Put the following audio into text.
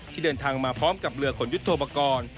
ที่เดินทางมาพร้อมกับเป็นเหลือกล่องยูโทปกร